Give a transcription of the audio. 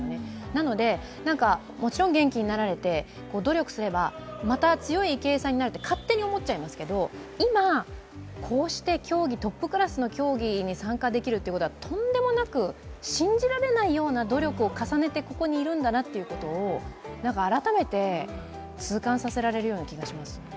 なのでもちろん元気になられて努力すれば、また強い池江さんになると勝手に思っちゃいますけど、今、こうしてトップクラスの競技に参加できるということはとんでもなく信じられないような努力を重ねてここにいるんだなということを改めて痛感させられるような気がします。